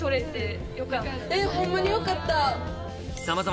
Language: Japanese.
ホンマによかった。